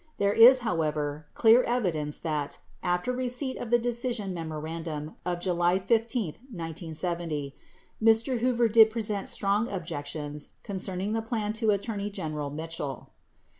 There is, however, clear evidence that, after receipt of the decision memorandum of July 15, 1970, Mr. Hoover did present strong objections concerning the plan to Attorney General Mitchell.